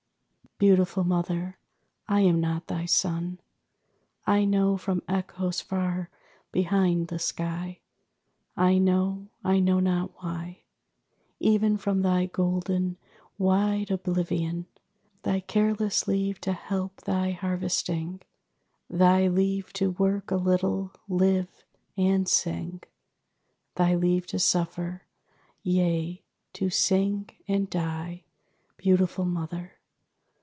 Beautiful Mother, I am not thy son. I know from echoes far behind the sky. I know; I know not why. Even from thy golden, wide oblivion: Thy careless leave to help thy harvesting, Thy leave to work a little, live, and sing; Thy leave to suffer yea, to sing and die, Beautiful Mother!